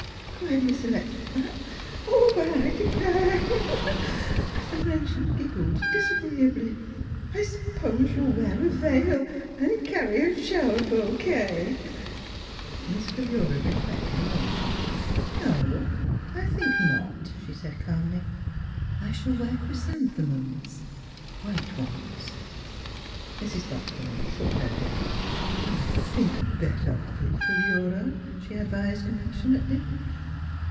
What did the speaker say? cried Miss Electa Pratt. " Well, I declare 1 " Then she giggled disagreeably. " I s'pose you'll wear a veil an' carry a shower bouquet? " Miss Philura reflected a moment. " No, I think not," she said calmly. " I shall wear chrysanthemums — white ones." Mrs. Buckthorn shook her head. " Think better of it, Philura," she ad vised compassionately.